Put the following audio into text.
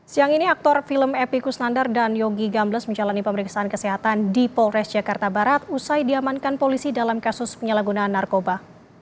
siang ini aktor film epi kusnandar dan yogi gambles menjalani pemeriksaan kesehatan di polres jakarta barat usai diamankan polisi dalam kasus penyalahgunaan narkoba